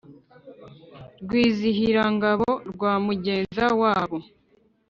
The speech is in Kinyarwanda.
Rwizihirangabo rwa Mugenza wabo ,